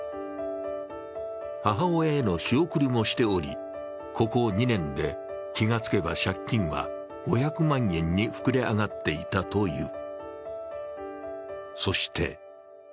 母親への仕送りもしており、ここ２年で気が付けば借金は５００万円に膨れ上がっていたという。